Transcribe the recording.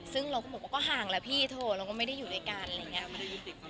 ซึ่งเราก็บอกว่าก็ห่างแล้วพี่โถเราก็ไม่ได้อยู่ด้วยกันอะไรอย่างนี้